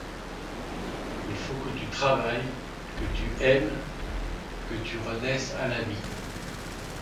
Il faut que tu travailles, que tu aimes, que tu renaisses à la vie.